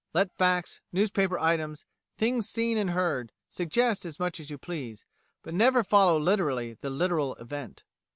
Let facts, newspaper items, things seen and heard, suggest as much as you please, but never follow literally the literal event.